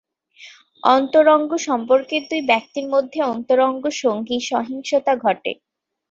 অন্তরঙ্গ সম্পর্কের দুই ব্যক্তির মধ্যে অন্তরঙ্গ সঙ্গী সহিংসতা ঘটে।